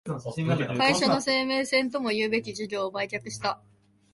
会社の生命線ともいうべき事業を売却した